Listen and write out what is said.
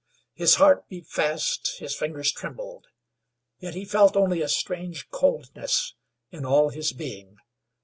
His heart beat fast, his fingers trembled, yet he felt only a strange coldness in all his being.